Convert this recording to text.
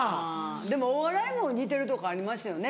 でもお笑いも似てるとこありますよね